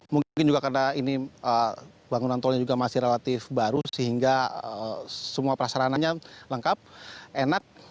mungkin mungkin juga karena ini bangunan tolnya juga masih relatif baru sehingga semua prasarananya lengkap enak